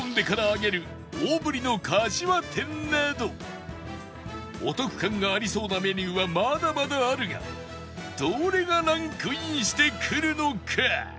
大ぶりのかしわ天などお得感がありそうなメニューはまだまだあるがどれがランクインしてくるのか？